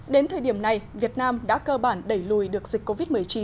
đến thời điểm này việt nam đã cơ bản đẩy lùi được dịch covid một mươi chín